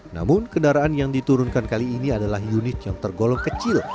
namun kendaraan yang diturunkan kali ini adalah unit yang tergolong kecil